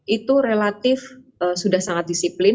itu relatif sudah sangat disiplin